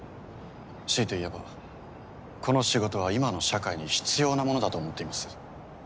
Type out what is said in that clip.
強いて言えばこの仕事は今の社会に必要なものだと思っています。